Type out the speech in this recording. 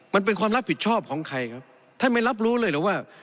มันเป็นความรับผิดชอบของใครครับท่านไม่รับรู้เลยเหรอว่า